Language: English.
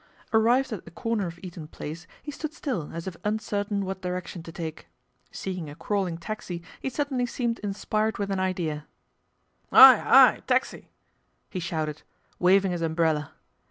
Arrived at the corner of Eaton Place, he stood still as if uncertain what direction to take. Seeing a crawling taxi he sud denly seemed inspired with an idea. " Hi ! Hi ! Taxi !" he shouted, waving his umbrella.